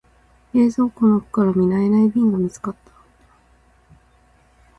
冷蔵庫の奥から見慣れない瓶が見つかった。